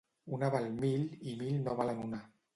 Una val mil i mil no valen una.